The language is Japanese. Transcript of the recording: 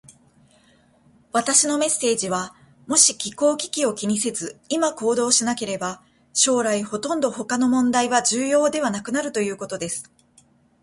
私のメッセージは、もし気候危機を気にせず、今行動しなければ、将来ほとんど他の問題は重要ではなくなるということです。